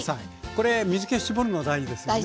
これ水け絞るの大事ですよね？